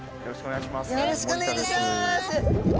よろしくお願いします。